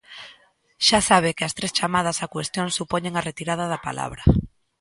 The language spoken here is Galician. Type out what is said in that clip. Xa sabe que as tres chamadas á cuestión supoñen a retirada da palabra.